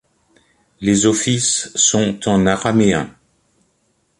Les offices sont en araméen.